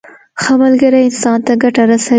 ښه ملګری انسان ته ګټه رسوي.